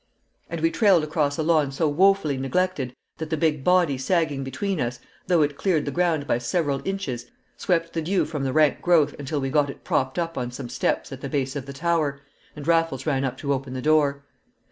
And we trailed across a lawn so woefully neglected that the big body sagging between us, though it cleared the ground by several inches, swept the dew from the rank growth until we got it propped up on some steps at the base of the tower, and Raffles ran up to open the door.